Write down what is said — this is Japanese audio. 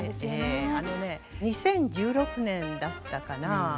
あのね２０１６年だったかな。